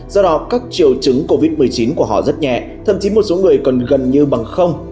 do đó các triệu chứng covid một mươi chín của họ rất nhẹ thậm chí một số người cần gần như bằng không